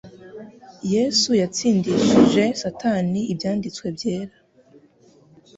Yesu yatsindishije Satani Ibyanditswe byera.